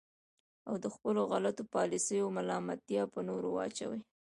او د خپلو غلطو پالیسیو ملامتیا په نورو واچوي.